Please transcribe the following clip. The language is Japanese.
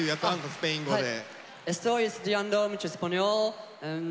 スペイン語で。